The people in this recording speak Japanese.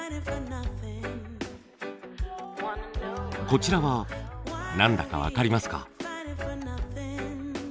こちらは何だか分かりますか？